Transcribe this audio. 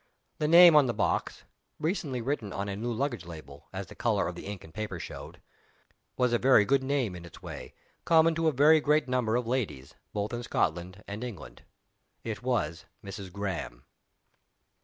The name on the box (recently written on a new luggage label, as the color of the ink and paper showed) was a very good name in its way, common to a very great number of ladies, both in Scotland and England. It was "Mrs. Graham."